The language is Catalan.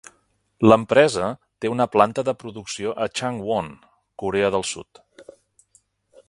L'empresa té una planta de producció a Changwon, Corea del Sud.